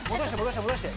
戻して。